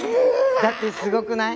だってすごくない？